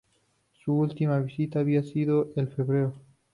Su última visita había sido en febrero.